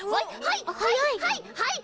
はいはいはい！